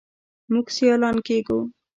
موږ سیالان کیږو.